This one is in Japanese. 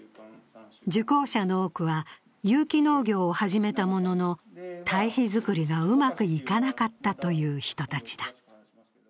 受講者の多くは有機農業を始めたものの、堆肥作りがうまくいかなかったという人たちだ。